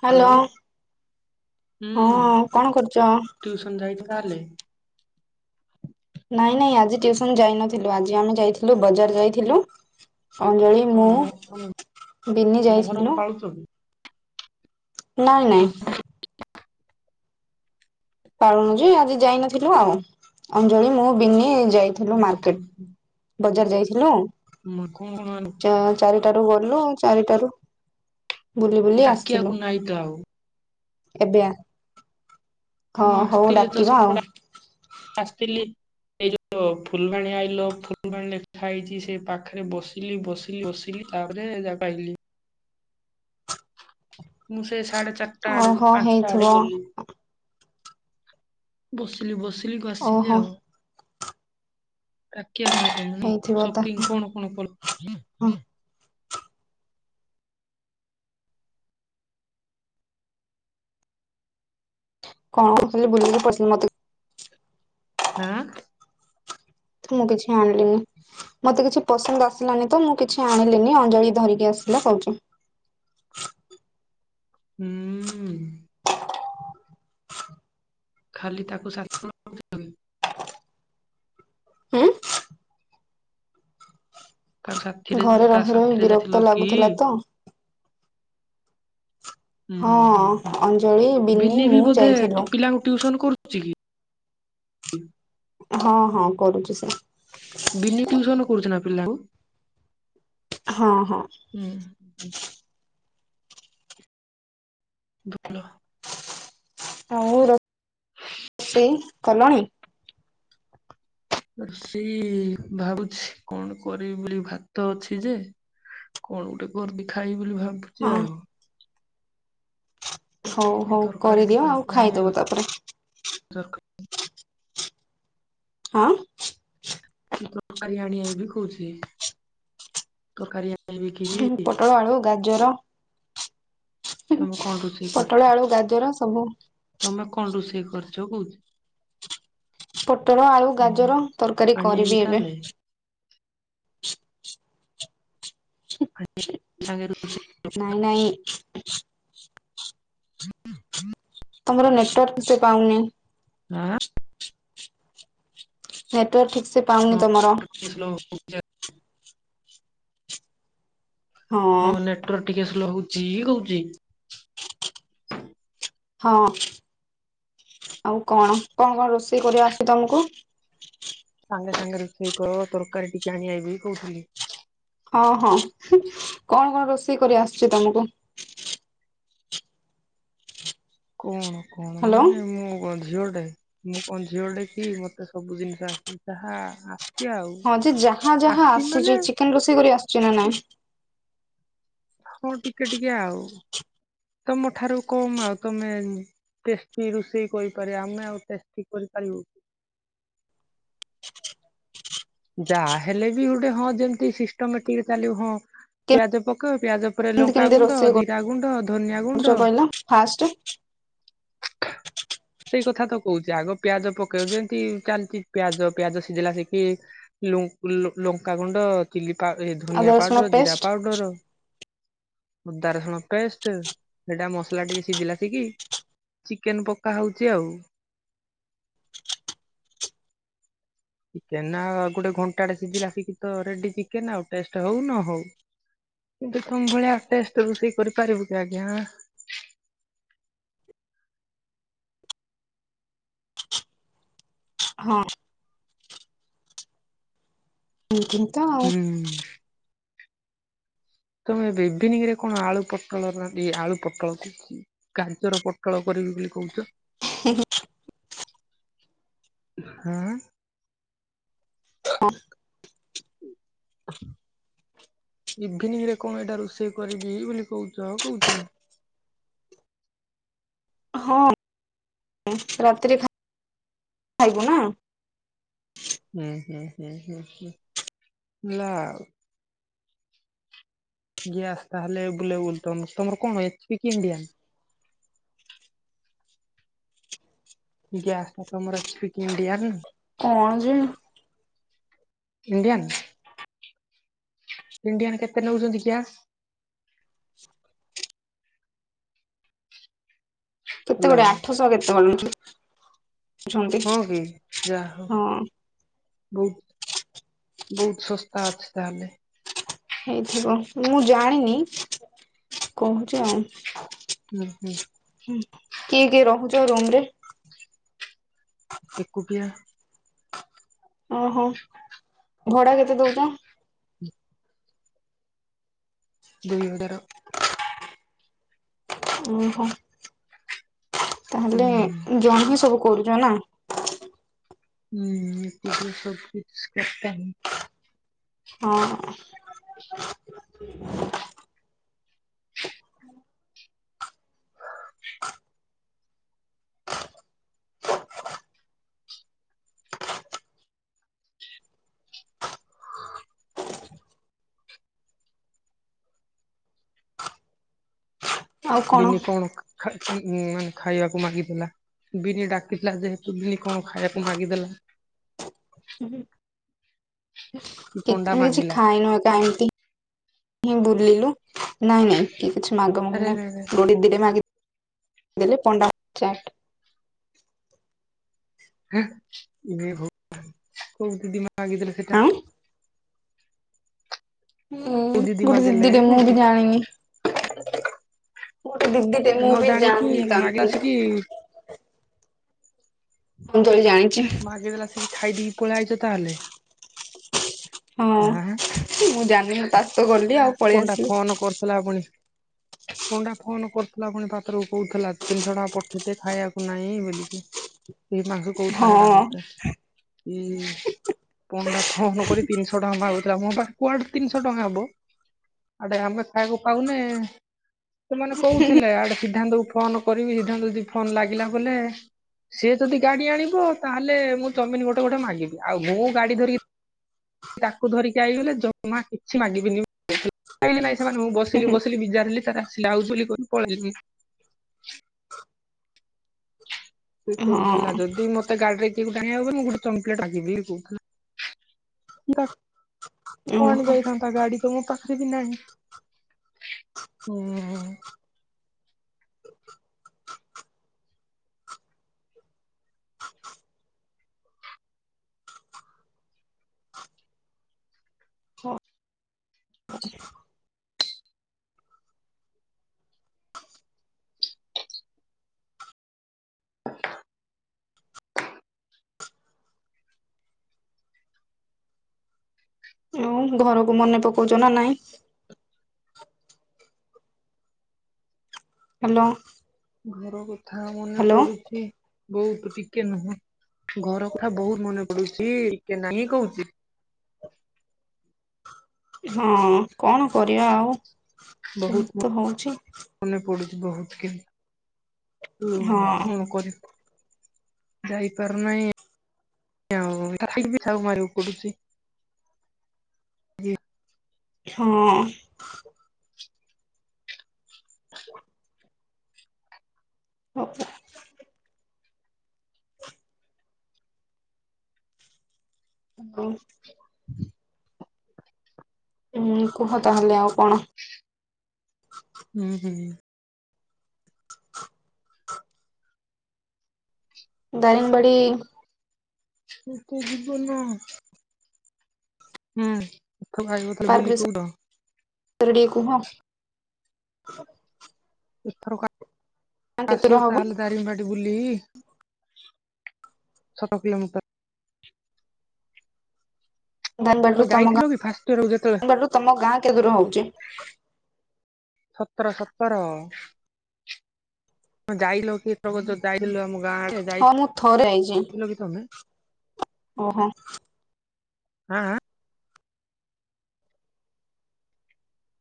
Hello ହଁ କଣ କରୁଚ? ଟ୍ୟୁଶନ୍ ଯାଇତ ବାହାରିଲି। ନାଇଁ ନାଇଁ ଆଜି ଟ୍ୟୁସନ ଯାଇ ନଥିଲୁ ଆଜି ଆମେ ଯାଇଥିଲୁ ବଜାର ଯାଇଥିଲୁ। ଅଞ୍ଜଳି ମୁଁ ତମେ ମୋ ତମେ ବିିନି ମହରମ ଯାଇଥିଲୁ। ପାଳୁଛ କି? ନାଇଁ ନାଇଁ। ପାନୁ ଯେ ଆଜି ଯାଇନଥିଲୁ ଆଉ ଅଞ୍ଜଳି ମୁଁ ବିିନି ଯାଇଥିଲୁ ଉଁ ହୁଁ ମାର୍କେଟ। ବଜାର ଯାଇଥିଲୁ। ମା କଣ ଆଇଁଲୁ? ଚ ଚାରିଟାରୁ ଗଲୁ ଚାରିଟାରୁ ବୁଲି ବୁଲି ଆସିଲୁ ଡାକିବାକୁ ନାଇଁ ତ ଆଉ ଏବେ ଆ ହଁ ହଉ ଡାକିବା ଆଉ। ଆସିଥିଲ। ଏଇ ଯୋଉ ଫୁଲବାଣୀ ଆଇଲ ଫୁଲବାଣୀ ଲେଖା ହେଇଛି ସେ ପାଖରେ ବସିଲି ବସିଲି ବସିଲି। ତାପରେ ଯା କାଇଲି। ମୁଁ ସେ ସାଢ଼େ ଚାଟା ଆଡ଼େ ଓହୋ ପାଞ୍ଚଟା ହେଇଥିବ ଆଡ଼େ ଗଲି। ବସିଲି ବସିଲି ଗସିଲି ଓହୋ ଆଉ [unintelligible] [unintelligible] ହେଇଥିବ ତା ସପିଂ କଣ କଣ କଲ? ହଁ କଣ କହୁଥିଲି ବୁଲିକି [unintelligible] [unintelligible] ତ ମୁଁ କିଛି ଆଣିଲିନି। ମତେ କିଛି ପସନ୍ଦ ଆସିଲାନି ତ ମୁଁ କିଛି ଆଣିଲିନି ଅଞ୍ଜଳି ଧରିକି ଆସିଲା କହୁଚି। ହୁଁ ଉ ଖାଲି ତାକୁ ସା [unintelligible] [unintelligible] ହୁଁ କା ସାଥିରେ ଘରେ କା ରହି ରହି ସାଥିରେ ଯାଇଥିଲ ବିରକ୍ତ କି? ଲାଗୁଥିଲା ତ। ହୁଁ ହୁଁ ହଁ ହୁଁ ହୁଁ ଅଞ୍ଜଳି ବିନି ବିିନି ବି ମୁଁ ବୋଧେ ଯାଇଥିଲୁ। ପିଲାଙ୍କୁ ଟିଉସନ କରୁଛି କି? ହଁ ହଁ କରୁଛି ସେ। ବିନି ଟ୍ୟୁସନ କରୁଚି ନ ପିଲାଙ୍କୁ? ହଁ ହଁ। ହୁଁ। ହୁଁ। ଭଲ। ହଁ ମୁଁ ରୋ ରୋଷେଇ କଲଣି? ରୋଷେଇ ଭାବୁଛି କଣ କରିବି ବୋଲି ଭାତ ଅଛି ଯେ କଣ ଗୋଟେ କରିବି ଖାଇ ବୋଲି ଭାବୁଚି ହଁ ଆଉ। ହଉ ପଠେଇ ଦିଅ ହଉ ତରକାରୀ କରିଦିଅ ଟିକେ ଆଉ କି ଆଣି ଖାଇଦବ ତାପରେ ଆଇବି। ହଁ। ତରକାରୀ ଆଣିଆଇବି ବି କହୁଛି ତରକରି ଆ ହୁଁ ପୋଟଳ ଆଳୁ ଗାଜର। ତମେ କଣ ରୋଷେଇ ପୋଟଳ କରିଛ ଆଳୁ ଗାଜର ସବୁ ତମେ କଣ ରୋଷେଇ କରିଛ କହୁଚି। ପୋଟଳ ଆଳୁ ଓହୋ ଗାଜର ତରକାରୀ ଆଣି ଆଇବି କରିବି ଏବେ। ତାହେଲେ [unintelligible] ୁ ନାଇଁ ନାଇଁ। [inaudible] ତମର ନେଟୱାର୍କ ସେ ପାଉନି। ଆ। ନେଟୱାକ ଠିକ ସେ। ପାଉନି ହଁ ତମର ସ୍ଲୋଲୋ ହୋଉଛ। ହଁ ନେଟୱାର୍କ ଟିକିଏ ସ୍ଲୋ ହଉଛି କହୁଛି। ହଁ ଆଉ କଣ କଣ କଣ ରୋଷେଇ କରିବା ଆସୁଛି ତମକୁ। ସାଙ୍ଗେ ସାଙ୍ଗେ ରୋଷେଇ କର ତରକାରୀ ଟିକିଏ ଆଣଆବ କହୁଥିଲି। ହଁ ହଁ କଣ କଣ ରୋଷେଇ କରି ଆସୁଛି ତମକୁ। କଣ କଣ ହ୍ୟାଲୋ ମାନେ ମୁଁ ଝିଅ ଟେ। ମୁଁ କଣ ଝିଅ ଟେ କି ମତେ ସବୁ ଜିନିଷ ଆସି ଯାହା ଆଉ। ହଁ ଯେ ଯାହା ଯାହା ଆସିଛି ମାନେ ଆସୁଛି ଚିକେନ ରୋଷେଇ କରି ଆସୁଛି ନା ନାଇଁ। ହଁ ଟିକିଏ ଟିକିଏ ଆଉ ତମ ଠାରୁ କମ ଆଉ ତମେ। ଟେଷ୍ଟି ରୋଷେଇ କରିପାରିବା ଆମେ ଆଉ ଟେଷ୍ଟି କରିପାରିବୁ। ଯାହା ହେଲେ ବି ଗୋଟେ ହଁ ଯେମତି ସିଷ୍ଟମେଟିକ ଚାଲିବ ହଁ ପିଆଜ ପକେଇବ ପିଆଜ ତାରେ କେମିତି କେମିତି ଲଙ୍କାଗୁଣ୍ଡ ରୋଷେଇ ଜିରା ଗୁଣ୍ଡ ଧନିଆ କରୁଛ ଗୁଣ୍ଡ। କହିଲ ଫାଷ୍ଟ। ସେଇ କଥା ତ କହୁଛିେ ଆଗ ପିଆଜ ପକେଇବ ଯେମିତି ଚାଲିଛି ପିଆଜ ପିଆଜ ସିଝିଲା ସିକି ଲଙ୍କାଗୁଣ୍ଡ ଚିଲି ଅଦା ଧନିଆ ରସୁଣ ପାଉଡର ଜିରା ପେଷ୍ଟ ପାଉଡର। ଅଦା ରସୁଣ ପେଷ୍ଟ ସେଇଟା ମସଲା ଟିକେ ସିଝିଲା ସିକିି। ଚିକେନ ପକା ହଉଛି ଆଉ। ଚିକେନ ଉ ଗୋଟେ ଘଣ୍ଟାଟେ ସିଝିଲାି ତ ରେଡି ଚିକେନ ଆଉ ଟେଷ୍ଟ ହଉ ନ ହଉ। କିନ୍ତୁ ତମ ଭଳିଆ ଟେଷ୍ଟ ରୋଷେଇ କରିପାରିବୁ କି ଆଜ୍ଞା। ହଁ। ହୁଁ ହୁଁ। ହୁଁ। ତମେ ଏବେ ଇଭିନିଂ ରେ କଣ ଆଳୁ ପୋଟଳ ଆଳୁ ପୋଟଳ। ଗାଜର ପୋଟଳ କରିବି ବୋଲି କହୁଛ। ହେ। ହଁ। ଅ। ଇଭିନିଂ ରେ କଣ ଏଇଟା ରୋଷେଇ କରିବି ବୋଲି କହୁଛ କହୁଛି। ହଁ ରାତିରେ ଖାଇବୁ ନା। ହୁଁ ହୁଁ ହୁଁ ହଁ ନା। ଗ୍ୟାସ୍ ତାହେଲେ ବୁଲେ ବଲ ତମର କଣ ଏଚ୍ କି ଇଣ୍ଡିଆ? ଗ୍ୟାସ୍ ଟା ତମର ଏଚ୍ କି ଇଣ୍ଡିଆନ। କଣ ଯେ। ଇଣ୍ଡିଆନ୍। ଇଣ୍ଡିଆନ୍ କେତେ ନେଉଛନ୍ତି ଗ୍ୟାସ? କେତେ ହ୍ୟାଲୋ ଗୁଡେ ଆଠଶହ କେତେ ଗୋ ହଁ କି ଯା ହଉ। ହଁ ବହୁତ ବହୁତ ଶସ୍ତା ଅଛି ତାହେଲେ। ହେଇଥିବ ମୁଁ ଜାଣିନି କହୁଛି ଆଉ। ଉ ହୁଁ। ହୁଁ କିଏ କିଏ ରହୁଛ ରୁମ ରେ। ଏକୁଟିଆ। ଓହୋ ଭଡା କେତେ ଦଉଛ? ଦୁଇ ହଜାର। ଓହୋ ହୁଁ। ତାହେଲେ ଜଣ ହିଁ ସବୁ କରୁଛ ନା। ହୁଁ ଏକୁଟିଆ ସବୁ କିିଛି [inaudible] ହଁ। ହ [inaudible] ହଁ [unintelligible] ବିିନି କଣ ଖା ମାନେ ଖାଇବାକୁ ମାଗିଥିଲା। ବିନି ଡାକିଥିଲା। ଯେହେତୁ ବିନି କଣ ଖାଇବାକୁ ମାଗିଦେଲା। କି ପଣ୍ଡା କିଛି ମାଗିଲା। ଖାଇନୁହେଁ କା ଏମିତି ହ ବୁଲିଲୁ। ନାଇଁ ନାଇଁ କି କିଛି ମାଗ ଆରେ ମଗ ଆରେ ଆରେ ନାହିଁ। ଗୋଡ଼ିଲେ ମାଗିଲେ ପଣ୍ଡା ଚାଟ୍। ହଁ ହ କଉ ଦିଦି ମା ଗିର [unintelligible] ସେଇଟା ଆଉ ହୁଁ କୋଉ ଦିଦି ଗୋଟେ ମାଗିଦେଲେ ଦିଦିଟେ ମୁଁ କୋଉଠି ବି ଜାଣିନି। ଗୋଟେ ଦିଦିଟେ ମୁଁ ନ ବି ଜାଣିନି ଜାଣିକି ମାଗିଲ ତାଙ୍କୁ ଆସିକି। ମୁଁ ତାକୁ ଜାଣିଛି। ମାଗବେଲା ସେିକ ଖାଇଦି ପଳେଇ ଆଇଛ ତାହଲେ ହଁ ମୁଁ ଜାଣିନି ମୁଁ ତା ସହିତ ଗଲି ଆଉ [inaudible] ପଳେଇ କଣ ଟା ଆସିଲି ଫୋନ କରୁଥିଲା। ପୁଣି ପଣ୍ଡା ଫୋନ କରୁଥିଲା। ପୁଣି ପାତ୍ରକୁ କହୁଥିଲା। ତିନିଶହ ଟଙ୍କା ପଠେଇଦେ ଖାଇବାକୁ। ନାଇଁ ବୁଲିକି। ଏଇ ମାଂସ କୋହୁଥିଲା ହଁ ସେଟା ମତେ ଏଇ [inaudible] ପଣ୍ଡା ଫୋନ କରି ତିନିଶହ ଟଙ୍କା ମାଗୁଥିଲା। ମୋ ପାଖରେ କୁଆଡୁ ତିନିଶହ ଟଙ୍କା ହବ। ଆଡେ ଆମେ ଖାଇବାକୁ ପାଉନେ ସେମାନେ କହୁଥିଲେ। ଆଡେ ସିଦ୍ଧାନ୍ତ ଫୋନ। କରିବି ସିଧାନ୍ତ ଯଦି ଫୋନ ଲାଗିଲା। ବଲେ ସିଏ ଯଦି ଗାଡି ଆଣିବ। ତାହେଲେ। ମୁଁ ଚମିନ ଗୋଟେ ଗୋଟେ ମାଗିବି। ଆଉ ମୁଁ ଗାଡି ଧରିକି। ତାକୁ ଧରିକି ଆଇଗଲେ। ଜମା କିଛି ମାଗିବିନି। ଖାଇ ନାଇଁ ସେମାନେ ମୁଁ ବସିଲି ବସିଲି ବିଚାରିଲି ତାର ଆସିଲି ଆଉ ବୋଲିୁ କ ପଳେଇି [unintelligible] ସେ ହଁ କହୁଥିଲା ଯଦି ମତେ ଗାଡିରେ [unintelligible] କୁଆଡେ ଓହୋ ଯାଇଥାନ୍ତା ଗାଡି ତମ ପାଖରେ ବି ନାହିଁ। ହୁଁ। ହଠ ଆଉ ଘରକୁ ମନେ ପକଉଛ ନା ନାଇଁ? ହ୍ୟାଲୋ ଘର କଥା ମନେ ହ୍ୟାଲୋ ପଡୁଚି। ବହୁତ ଟିକେ ନୁହଁ ଘର କଥା ବହୁତ ମନେ ପଡୁଛି ଟିକେ ନାଇଁ କହୁଛି। ହଁ କଣ କରିବା ଆଉ ଏ ବହୁତ ତ ହଉଚି। ମନେ ପଡୁଛି ବହୁତ କିନ୍ ତୁ ହଁ କଣ କରିବୁ। ଯାଇପାରୁନାହିଁ ଆଉ ଖାଲି ମାରିବାକୁ ପଡୁଛି। ହଁ। ହଉ। ହାଲୋ ହୁଁ କୁହ ତାହେଲେ ଆଉ କଣ? ହୁଁ ହୁଁ। ଦାରିଙ୍ଗ୍ ବାଡ଼ି। [unintelligible] ହୁଁ [unintelligible] ଥରେ ବୁଲି କଉଠ ତଡ଼ି ଟିକେ କୁହ ଏଥର କ କେତେ ଦୂର ଆସିବ ହବ ତାହେଲେ ଦାରିଙ୍ଗ ବାଡ଼ି ବୁଲେଇବି ଛଅ କିଲୋମିଟର। ତ ଧାନବାଡ଼ିରୁ ତମ ଗାଁ ଯାଇଥିଲ କି ଫାଷ୍ଟ ଇୟର କୁ ଯେତେବେଳେ ଧାନବାଡ଼ିରୁ ତମ ଗାଁ କେତେ ଦୂର ହଉଛି? ସତର ସତର। ହଁ ଯାଇଲ କି ଏଥର ଯାଇଥିଲ ଆମ ଗାଁ ଆଡ଼େ? ହଁ ମୁଁ ଥରେ ଆଇଛି ଓହୋ। ହଁଆଃ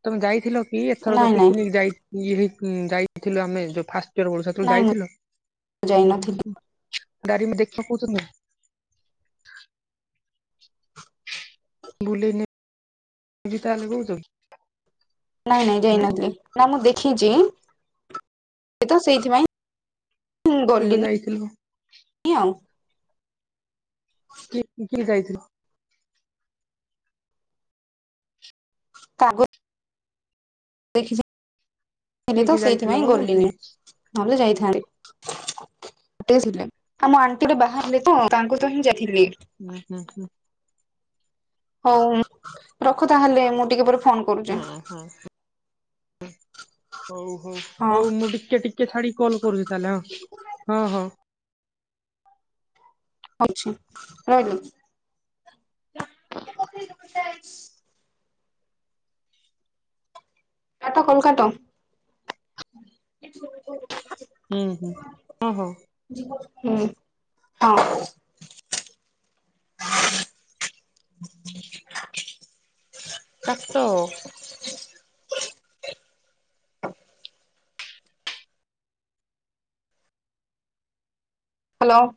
ତମେ ଯାଇଥିଲ କି ଏଥର ଯୋଉ ନାଇଁ ନାଇଁ ପିକନିକ ଯାଇ ଇଏ ଯାଇଥିଲୁ ଆମେ ଯୋଉ ଫାଷ୍ଟ [unintelligible] ସେତେବେଳେ ନାଇଁ ଯାଇ ମୁଁ ଥିଲ? ଯାଇନଥିଲି ବୁଲିନେବି ତାହେଲେ କହୁଛ ନାଇଁ ନାଇଁ ହଁ ଯାଇନଥିଲି ନା ମୁଁ ଦେଖିଛି ତ ସେଇଥିପାଇଁ କେବେ ଯାଇଥିଲ? ଗଲିିନି ଆଉ କି କିଏ ଯାଇଥିଲ? କା [unintelligible] କିଏ ତ କିଏ ଯାଇଥିଲ ସେଇଥିପାଇଁ ଗଲିନି କହୁଛି। ନହେଲେ ଯାଇଥାନ୍ତି। ଥିଲେ ଆଉମ ଆଣ୍ଟିରେ ବାହାରିଲେ ତ ତାଙ୍କୁ ତ ହିଁ ଯାଇଥିଲି। ହୁଁ ହୁଁ ହୁଁ। ହଉ ରଖୁ ତାହେଲେ ମୁଁ ଟିକେ ପରେ ଫୋନ କର। ହଁ ହଁ ହଉ ହଉ ହଁ ହଉ ମୁଁ ଟିକେ ଟିକେ। କେ ଛାଡି କଲ୍ କରୁଛି ତାହେଲେଁ ହଁ ହଁ। ଅଛି କାଟ କଲ୍ କାଟ ହୁଁ ହୁଁ ହଁ ହୋ। ହୁଁ ହଁ। କାଟ ହ୍ୟାଲୋ।